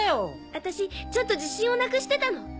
私ちょっと自信をなくしてたの。